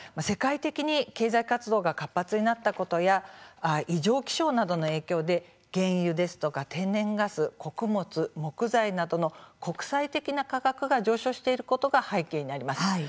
世界的に経済活動が活発になったことや異常気象などの影響で原油ですとか天然ガス穀物、木材などの国際的な価格が上昇していることが背景にあります。